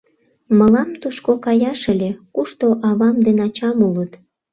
Мылам тушко каяш ыле, кушто авам ден ачам улыт.